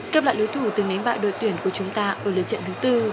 kép lại lưới thủ từng nánh bại đội tuyển của chúng ta ở lưới trận thứ bốn